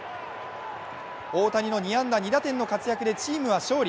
大谷の２安打２打点の活躍でチームは勝利。